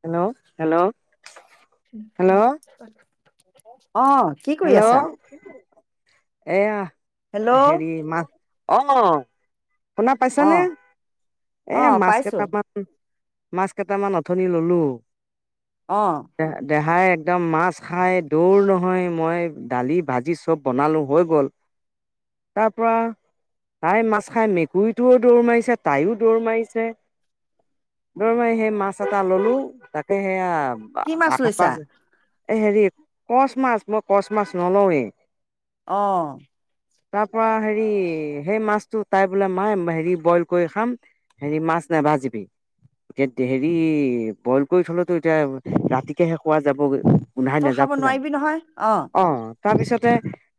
Hello hello উম উম এে হেল্ল' [unintelligible] অ কি কৰি আছা হেল্ল' এয়া হেল্ল' অ', হেৰি ম অ শুনা পাইছানে এ অ', মাছ পাইছো কেইটামান মাছ কেইটামান অথনি ললো অ', দে দেহাই একদম মাছ খাই দৌৰ নহয় মই দালি ভাজি চব বনালো হৈ গল তাৰ পৰা তাই মাছ খাই মেকুৰীটোও দৌৰ মাৰিছে তাইও দৌৰ মাৰিছে দৌৰ মাৰি সেই মাছ এটা ললো তাকে সেয়া কি মাছ বাক লৈছা? পাজ [unintelligible] হেৰি কচ মাছ মই কচ মাছ নলওঁৱেই অ', তাৰ পৰা হেৰি সেই মাছটো তাই বোলে মায় হেৰি বইল কৰি খাম হেৰি মাছ নাভাজিবি এতিয়া হেৰি বইল কৰি থলোতো এতিয়া ৰাতিকহে খোৱা যাবগৈ গোন্ধাই তই নাযাব খাব জানো নোৱাৰিবি নহয় অ তাৰপিছতে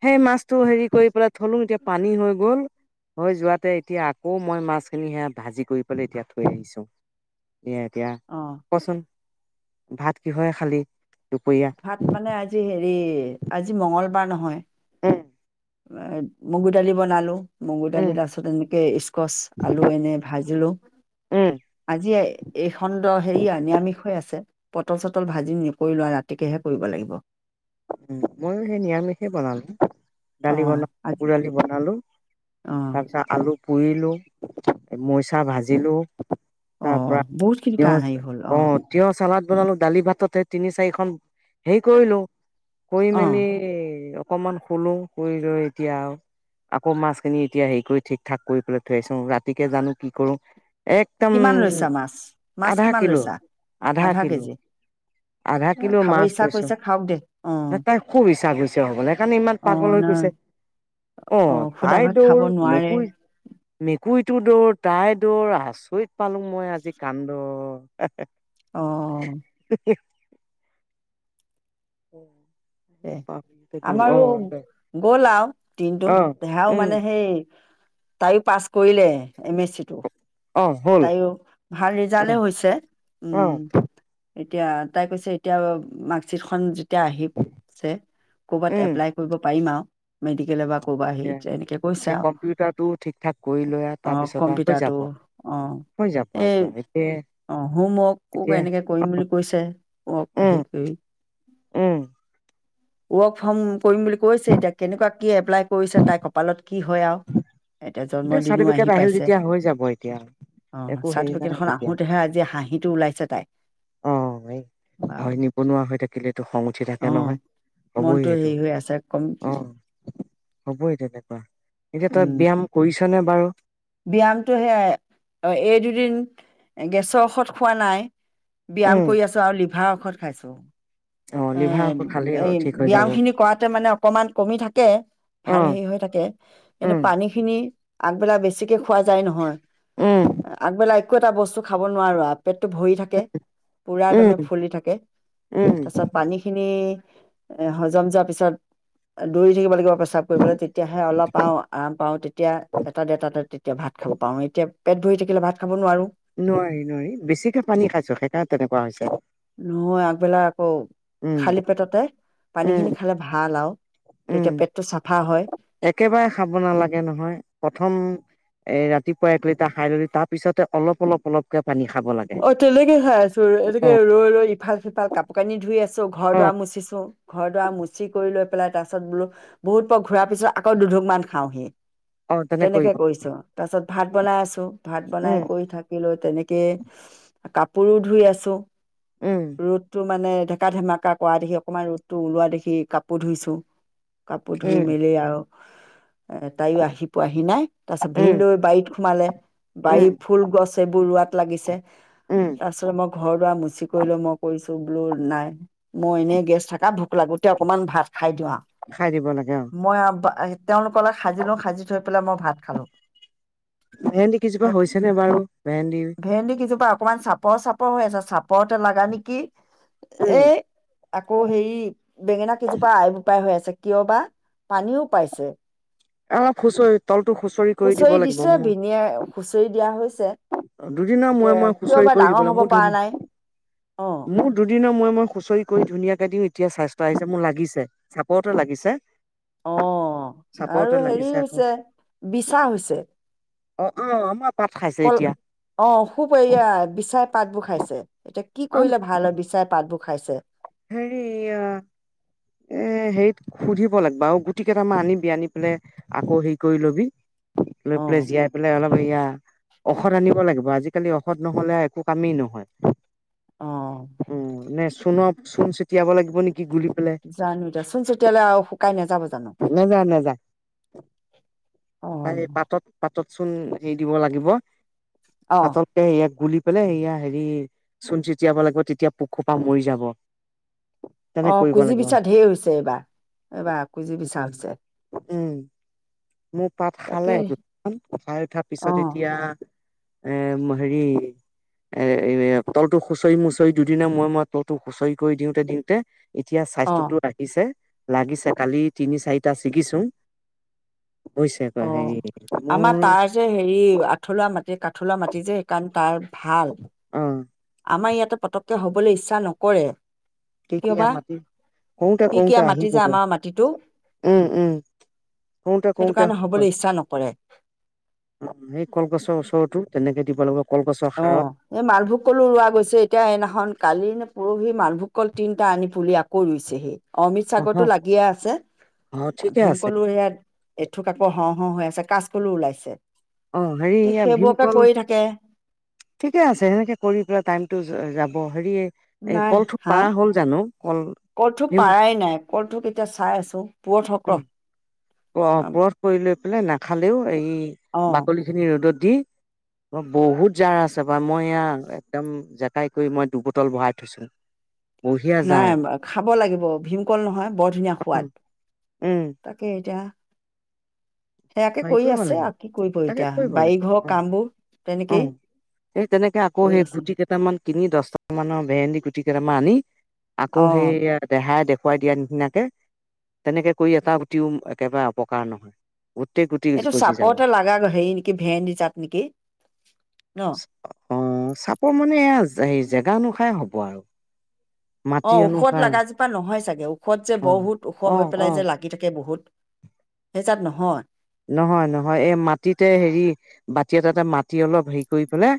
সেই মাছটো হেৰি কৰি পেলাই থলো এতিয়া পানী হৈ গ'ল হৈ যোৱাতে এতিয়া আকৌ মই মাছখিনি সেয়া ভাজি কৰি পেলাই এতিয়া থৈ আহিছোঁ। এ এতিয়া অ', কচোন। ভাত কিহেৰে খালী? ভাত মানে আজি হেৰি। আজি মংগলবাৰ নহয়। হম। মগু দালি বনালো। মগুৰ উম উম দালি তাৰপিছত এনেকে স্কচ, আলু এনেই ভাজিলো। উম আজি এইখন হেৰি নিৰামিষ হৈ আছে। পটল চটল ভাজি নকৰিলোঁ আৰু ৰাতি। ৰাতিকেহে কৰিব লাগিব। উম, ময়ো সেই নিৰামিষেই বনালো। দালি অ', বনা আজি মগুৰ দালি বনালো। অ', তাৰপিছত আলু পুৰিলোঁ। মৰিচা ভাজিলোঁ। তাৰ অ', পৰা বহুতখিনি তিঁয়হ কাহ হেৰি হ'ল অ তিঁয়হ চালাদ। বনালো দালি ভাততে তিনি চাৰিখন। হেৰি কৰিলোঁ। কৰি অ'। মেলি। অকণমান শুলো, শুই লৈ এতিয়া আকৌ মাছখিনি এতিয়া হেৰি কৰি ঠিক-ঠাক কৰি পেলাই থৈ আহিছোঁ ৰাতিকে জানো কি কৰো। একদম কিমান লৈছা মাছ? মাছ আধা কিমান কিলো লৈছা? আধা কেজি? আধা এ কিলো খাব মাছ ইচ্ছা লৈছো কৰিছে খাওঁক দে। অ', তাই খুব ইচ্ছা গৈছে হ'বলা সেইকাৰণে ইমান পাগল অ', হৈ ন গৈছে। অ, সুদা তাই ভাত খাব দৌৰ নোৱাৰে। মেকুৰী মেকুৰীটো দৌৰ তাই দৌৰ আচৰিত। পালো মই আজি কান্দ। হে হ অ, উম, এ আমাৰো গ'ল আৰু দিনতো অ দেহাও উম মানে সেই। তাইও পাঁচ। কৰিলে এম এছ চিটো। অ হ'ল তাইয়ো ভাল অ ৰিজাল্টেই হৈছে অ উম। এতিয়া তাই কৈছে এতিয়া মাৰ্কশ্বিট খন। যেতিয়া আহিছে কৰ'বাত উম এপ্লাই কৰিব পাৰিম আৰু। মেডিকেলে বা কৰবা এতিয়া হেৰিত এনেকে কৈছে এতিয়া আৰু। কম্পিউটাৰটো ঠিক ঠাক কৰি লৈ আৰু অ, তাৰ পিছত আৰু হৈ কম্পিউটাৰটো। যাব অ, হৈ যাব এই এতিয়া এতিয়া অ হোমৱৰ্কো এতিয়া এনেকে কৰিম বুলি কৈছে অলপ উম হেৰি কৰি। উম ৱৰ্ক ফ্ৰম কৰিম বুলি কৈছে এতিয়া কেনেকুৱা কি এপ্লাই কৰিছে তাই কপালত কি হয় আৰু এতিয়া চাৰ্টিফিকেট আহিল যেতিয়া হৈ যাব এয়া আহ চাৰ্টিফিকেট এখন আহোতেহে আজি হাঁহিটো ওলাইছে তাই অ এই বাৰ হয় নিবনুৱা হৈ থাকিলেতো খং উঠি থাকে আহ নহয় হ'বই মনটো সেইটো হেৰি হৈ আছে কম অ হ'বই তেনেকুৱা এতিয়া তই উম ব্যায়াম পিছনেে বাৰু ব্যায়ামটো সেয়াই এই দুদিন গেছৰ ঔষধ খোৱা নাই ব্যায়াম উম কৰি আছো আৰু লিভাওক ঔষত খাইছো অ এ লিভাৰ খালেই এ ঠিক হৈ যাব ব্য্ায়াম খিনি কৰাতে মানে অকমান কমি থাকে ভাল উম হেৰি হৈ থাকে কিন্তু উম পানী খিনি আগবেলা বেছি তে খোৱা যায় নহয় উম আগ বেল আ একো এটা বস্তু খাব নোৱাৰো আপ পেটটো ভৰি থাকে পুৰা একদমে উম ফুলি থাকে উম তাৰ পিছত পানীখিনি এ হজম যোৱাৰ পিছত দৌৰি থাকিব লাগিব প্ৰচ্ৰাৱ কৰিবলৈ তেতিয়াহে অলপ পাওঁ আৰাম পাও তেতিয়া এটা দে এটা এতিয়া ভাত খাব পাৰো এতিয়া পেট ভৰি থাকিলে ভাত খাব নোৱাৰোঁ নোৱাৰি নোৱাৰি বেছিকে পানী খাইছো সেইকাৰণে তেনেকুৱা হৈছে নহয় আগবেলা আকৌ উম খালী পেটতে পানী উম খিনি খালে ভাল আৰু তেতিয়া উম পেটটো চাফা হয় একেবাৰে খাব নালাগে নহয় প্ৰথম এ ৰাতিপুৱা এক লিটাৰ খাই ললি তাৰ পিছতে অলপ অলপ অলপকে পানী খাব লাগে অ তেনেকে খাই আছো ৰ এনেকে অ ৰৈ ৰৈ ইফাল সিফাল কাপোৰ কানি ধুই আছো ছ ঘৰ অ দুৱাৰ মচিছো ঘৰ দুৱাৰ মুচি কৰি লৈ পেলাই তাৰ পাছত বলো বহুত পৰ ঘূৰাৰ পিছত আকৌ দুঢুকমান খাও সি অ তেনে তেনেকে কৰিব লাগে। কৰিছো তাৰপিছত ভাত বনাই আছো ভাত বনাই উম কৰি থাকিলে তেনেকে কাপোৰো ধুই আছো উম ৰ'দটো মানে ঢেকা ধেমকা কৰা দেখি অকমান ৰ'দটো ওলোৱা দেখি কাপোৰ ধুইছো কাপোৰ ধুই উম মেলি আৰু এ তাইো আহি পোৱাহি নাই তাৰপিছত ভিন উম দৌ বাৰীত সোমালে উম বাৰীৰ ফুল গছ এইবোৰ ৰোৱাত লাগিছে উম তাৰ পিছত মই ঘৰ দাৰ মুচি কৰি লৈ মই কৰিছো ত বলো নাই মই এনেই গেছ থকা ভ লাগোতে অকমান ভাত খাই দিওঁ আৰু খাই দিব লাগে অ মই তেওঁলোকৰ লগ সাজি লো সাজি থৈ পেলাই মই ভাত খালো ভেন্দি কেইজোপা হৈছে নে বাৰু ভেন্দি ভেন্দি কিছুমান অকনমান চাপৰ চাপৰ হৈ আছে চাপৰতে লগা নেকি উম এ আকৌ সেই বেঙেনা কেইজোপা আই বোপাই হৈ আছে কিয় বা পানীও পাইছে অলপ হুচৰি তলটো খুচৰি কৰি দিব হুঁচৰি লাগিব দিছে ম ভিনিয়ে হুঁচৰি দিয়া হৈছে দুদিনৰ এতিয়া মুয়ে কিয় খুচৰি বা কৰি দিব ডাঙৰ লাগ হ'ব মোৰ পৰা নাই অ মোৰ দুদিনৰ মই মই হুচৰি কৰি ধুনীয়াকে দিম এতিয়া আহিছে মোৰ লাগিছে চাপৰতে লাগিছে অ চাপৰতে আৰু হেৰি লাগিছে আকৌ হৈছে বিচা হৈছে অ অ আম কল অ খুবয়া বিচাৰ পাতবোৰ খাইছে এতিয়া কি অ কৰিলে ভাল হয় বিচাৰে পাাতবুক খাইছে হেৰি এ হেৰিত সুধিব লাগিবা আৰু গুটি কেইটামান আনিবি আনি পেলাই আকৌ হেৰি কৰি লবি লৈ অ পেলাই জীয়াই পেলাই অলপ এয়া ঔষধ আনিব লাগিব আজিকালি ঔষধ নহ'লে একো কামেই নহয় অ উ নে চোন কোন চটিয়াব লাগিব নেকি জানো দেয়া শুনিছো তেতিাহলেু কাই না যাব নেযা নেযা অ ত পাতত প তচোন হেৰি দিব লাগিব অ আচলতে এক গুল বোলে এয়া হেৰি চোন চটিয়াব লাগিব তেতিয়া পোকখোপা মৰি যাব তেনে অ কৰিব কুঁজি লাগিব বিচা ঢেৰ হৈছে এইবাৰ এইবাৰ কুঁজি উম মোৰ পাত তাকে খালে দুখন উঠাই উঠাৰ অ পিছত এতিয়া এ হেৰি এ তলটো খুঁচৰি মুচৰি দুদিনা মই মই তলটো হুঁচৰি কৰি দিওঁতে দিওঁতে এতিয়া অ স্বাস্থ্যটো ৰাখিছে। লাগিছে কালি। তিনি চাৰিটা ছিকিছোঁ অ আমাৰ তাৰ যে হেৰি আঁঠলুৱা‌ মাটি কাঠলুৱা মাটি যে, সেইকাৰণ তাৰ ভাল। অ আমাৰ ইয়াতে পতকৈ হ'বলৈ ইচ্ছা নকৰে কিয় বা মাতি কওতে কি কওতে কিয়া মাটি যে আহিবগৈ আমাৰ মাটিটো উম উম কৰোতে সেইটো কৰোতে কাৰণে হবলৈ ইচ্ছা নকৰে সেই কলগছৰ ওচৰৰতটো তেনেকে লোকক অ এই মালভোগ কলো ৰোৱা গৈছে এতিয়া এদিনাখন কালি নে পৰহি মালভোগ কল তিনিটা আনি, পুলি আকৌ ৰুইছে সি। অমিত চাগৰটো অ', লাগিয়ে আছে অ', ঠিকে আছে। ভীমকলো সেয়া এথুক আকৌ হওঁ অ হৈ আছে কাচকললো ওলাইছে অ হেৰি সেইবোৰকে ভীমকল কৰি থাকে ঠিকে আছে সেনেকে কৰি পেলাই টাইমতটো যাব হেৰিয় এই কলঠোক পাৰা হ'ল জানো? কল কলঠো ভীম পাৰাই নাই কলঠো কেতিয়া চাই আছো পুৰতসক অ পৰ কৰি লৈ বোলে খালেও এই অ বাকলি খিনি ৰ'দত বহুত জাৰ আছে, বা মই এয়া একদম জেকাই কৰি মই দুবটল ভৰাই থৈছো। বঢ়িয়া নাই জাৰ খাব লাগিব ভীমকল নহয় বৰ ধুনীয়া সোৱাদ উম, উম, তাকে এতিয়া সেয়াকে হেৰি কৰি কৰিব আছে লাগে আৰু কি কৰিব তাকে এতিয়া কৰিব বাৰী লাগে ঘৰৰ অ', কামবোৰ তেনেকেই অ', সেই তেনেকে আকৌ কৰি সেই আছে গুটি কেইটামান কিনি দহটা মানৰ ভেহেন্দি গুটি কেটমা আনি। আকৌ অ সেই দেহাই দেখ। খুৱাই দিয়া নিচিনাকে তেনেকে কৰি এটা টিউম একেবাৰে অপকাৰ নহয় গোটেই গুটি এইটো গজি যাব চাপতে লাগা হেৰি নেকি ভেন্দ তাত নেকি ন সেই জেগা নোখাই হ'ব আৰু অ মাটি ঔষধ অনুসাৰে লগাজোপা নহয় চাগে ওখত যে অ বহুত ওখ অ হৈ পেলাই অ যে লাগি থাকে বহুত সেইজাত নহয় নহয় নহয় এই মাটিতে হেৰি বাতি এটাতে মাটি অলপ হেৰি কৰি পেলাই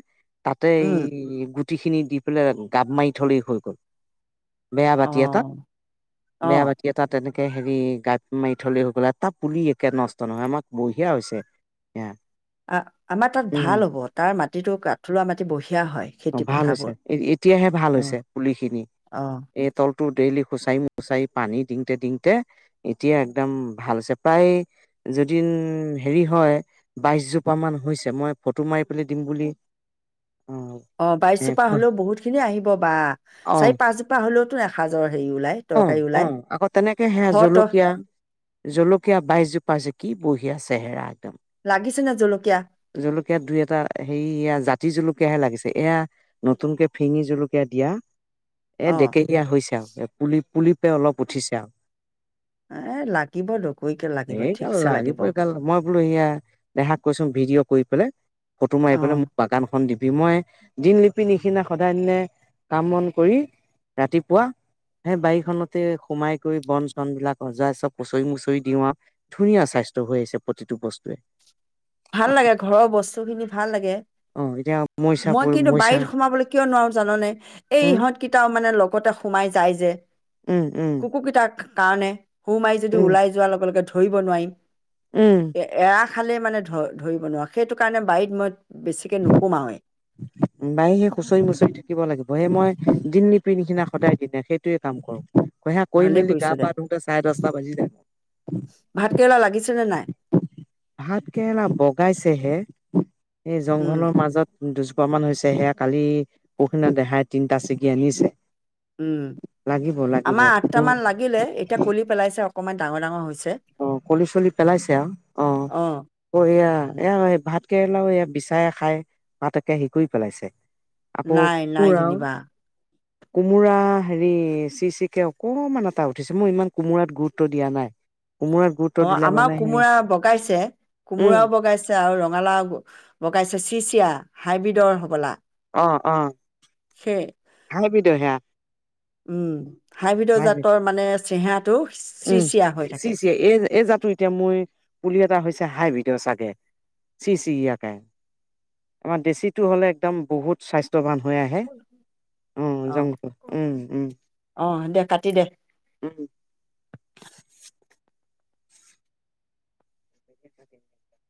তাতে উম গু গুটিখিনি দি পেলাই গাপ মাৰি থলেই হ'ল বেয়া অ বাতি এটাত অ বেয়া বাতি এটাত এনে একে হেৰি গাত মাৰি থলে হৈ গ'লে তাৰ পুলি একে নষ্ট নহয় আমাক বঢ়িয়া হৈছে এ অ আমাৰ তাত ভাল হ'ব তাৰ ম [unintelligible] টো কাঠলা মাটি বহি অ ভাল হৈছে এতিয়াহে ভাল অ হৈছে পুলি খিনি অ এই তল ফটো ডেইলিুচাইুচাইি পানী দিংটে দিংতে এতিয়া একদম ভাল হৈছে প্ৰায় যদিন হেৰি হয় বাইশ জোপা মান হৈছে মই ফটো মাৰি পেলাই দিম বুলি অ অ এ বাইশজোপা হলেও বহুত খিনি আহিব বা অ চাৰি পাঁচজোপা হলেও এসা যৰ হয় অ অ আকৌ তেনেকে সেয়া ঘৰত জলকীয়া জলকীয়া বাইছজোপাছে কি বৈ [unintelligible] য়া চেহৰা লাগিছে নে জলকীয়া জলকীয়াত দুই এটা হে জাতি জকীয়া কীয়াহে লাগিছে এয়া নতুনকে ফিঙি জলকীয়া দিয়া এ অ ডেকেৰিয়া হৈছে আৰু পুলি পে অলপ উঠিছে আও এ লাগিব দকৰিকে লাগিব এই কাল ঠিকছে লাগিব গাল মই বোলো সয়া দেহাক কৈছো ভিডিঅ' কৰি পেলাই ফটো মাৰি অ পেলাই মোক বাগানখন দিব বিময়ে দিনলিপি নিচিনা সদায় দিনে কাম বন কৰি ৰাতিপুৱা সেই বাৰীখনতে সোমাই কৰি বন চন বিলাক অজ পুচৰি মচৰি দিও আৰু ধুনীয়া স্বাস্থ্য হৈ আহিছে প্ৰতিটো বস্তুৱে ভাল লাগে ঘৰৰ বস্তু খিনি ভাল লাগে অ এতিয়া মইচা মই পৰি কিন্তু মইচা বাৰীত সোমাবলৈ কিয় নোৱাৰো জাননে এই উম ইহঁতকেইটাও মানে লগ [unintelligible] উম উম কুকুকিতাক কাৰণে সো মাৰি যদি উম ওলাই যোৱাৰ লগে ধ ধৰিব নোৱাৰিম উম এ এয়া খালে মানে ধ ধৰিব নোৱাৰোঁ সেইটো কাৰণে বাৰীত মই বেছিকে নুসোমাওৱেই বায় সেই হুচৰি মুচৰি থাকিব লাগিব সেই মই দিন নিপি নিচিনা সদায় দিনে সেইটোৱে কাম কৰক হা কৈ ভালেই মিলিল কৰিছ গা দে। পাহ ংগে চাইদ ৰাস্তা বজি য ভাতকেৰেলা লাগিছেনে নাই? ভাত কেে না বগাইছেহে [unintelligible] এই উম, জংঘলৰ মাজত দুজ প্ৰমান হৈছে। সেয়া কালি, পৰখিনা দেহাই তিনটা ছিগি আনিছে। উম, লাগিব লাগিব আমাৰ আঠটা মান লাগিলে, এতিয়া কুলি পেলাইছে অ- কনমান ডাঙৰ ডাঙৰ হৈছ- অহ, কলি-চলি পেলাইছে আৰু। অহ, অ', ও এয়া, এয়া এই ভাতকে- ৰেলাও এয়া বিচাই খাই। পাতোকে হেৰি কৰি পেলাইছে। আকৌ নাই, নাই, কোমোৰাও যেনিবা। কোমোৰা, হেৰি, চি-চিকে অকনমান এটা উঠিছে। মই ইমান কোমোৰাত গুৰুত্ব দিয়া নাই। কোমোৰাত গুৰুত্ব অহ, দিলে আমাৰ মানে সেই কোমোৰা বগাইছে। উম কোমোৰাও বগাইছে আৰু ৰঙালাও গ বগাইছে। চি-চিয়া হাইব্ৰীডৰ হ'বলা। অ অ। সেই হাইব্ৰীডৰ সেয়া। উম, হাইব্ৰীডৰ হাইব্ৰীড জাতৰ মানে- এ চেহেৰা- উম, চি-চি এই এই জাত- এতিয়া মই, পুলি এটা হৈছে হাইব্ৰীডৰ চাগে, চি-চিয়াকে। আমাৰ দেশীটো হ'লে একদম বহুত স্বাস্থ্যৱান- হৈ আহে। অ' জংঘল। উম উম, অ', দে কাটি দে। উম। [unintelligible]